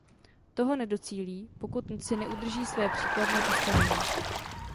Toho nedocílí, pokud si neudrží své příkladné postavení.